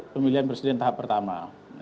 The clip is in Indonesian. pemilihan presiden tahap pertama